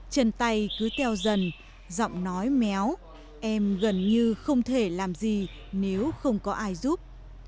chân tay cứ teo dần giọng nói méo em gần như không thể làm gì nếu không có ai giúp